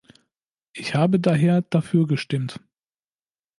Ich habe daher dafür gestimmt.